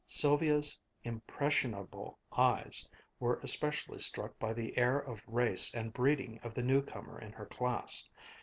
Sylvia's impressionable eyes were especially struck by the air of race and breeding of the new comer in her class.